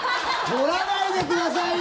取らないでくださいよ！